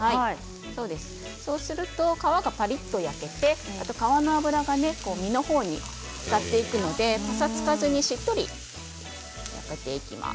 そうすると皮がパリっと焼けて皮の脂が身の方にいくのでぱさつかずにしっとり焼けていきます。